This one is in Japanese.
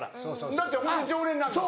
だって常連なんだから。